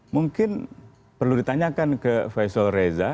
mungkin perlu ditanyakan ke faisal reza